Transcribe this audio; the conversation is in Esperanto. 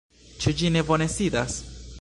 Ĉu ĝi ne bone sidas?